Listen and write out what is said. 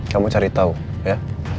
kamu cari tau ya